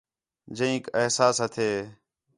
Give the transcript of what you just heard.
جئینک احساس ہتھے